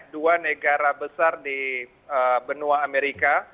dua negara besar di benua amerika